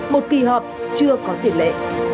một kỳ họp chưa có tiền lệ